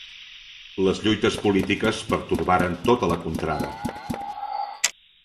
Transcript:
Les lluites polítiques pertorbaren tota la contrada.